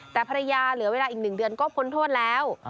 แต่ภรรยาเหลือเวลาอีก๑เดือนก็พ้นโทษแล้ว